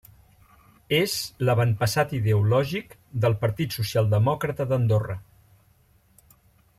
És l'avantpassat ideològic del Partit Socialdemòcrata d'Andorra.